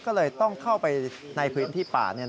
ก็เลยต้องเข้าไปในพื้นที่ป่า